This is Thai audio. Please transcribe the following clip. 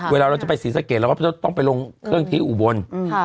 เวลาเราจะไปศรีสะเกดเราก็จะต้องไปลงเครื่องที่อุบล